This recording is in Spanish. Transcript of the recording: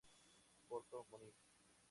Porto Moniz